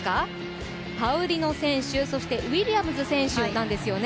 パウリノ選手、そしてウィリアムズ選手なんですよね。